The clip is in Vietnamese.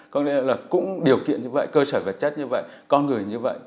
có lẽ là cũng điều kiện như vậy cơ sở vật chất như vậy con người như vậy